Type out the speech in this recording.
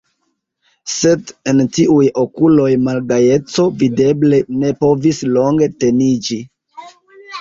Sed en tiuj okuloj malgajeco videble ne povis longe teniĝi.